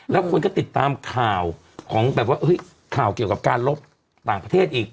แล้วคนก็ติดตามข่าวของแบบว่าข่าวเกี่ยวกับการลบต่างประเทศอีก